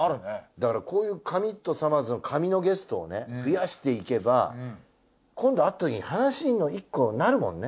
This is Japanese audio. だからこういう『紙とさまぁず』の紙のゲストをね増やしていけば今度会ったときに話の１個になるもんね。